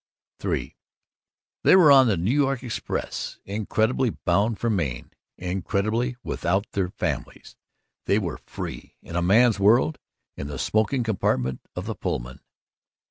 III They were on the New York express, incredibly bound for Maine, incredibly without their families. They were free, in a man's world, in the smoking compartment of the Pullman.